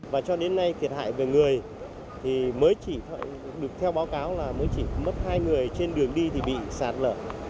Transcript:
và cho đến nay thiệt hại về người thì mới chỉ được theo báo cáo là mới chỉ mất hai người trên đường đi thì bị sạt lở